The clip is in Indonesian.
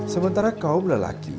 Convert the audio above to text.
sementara kaum lelaki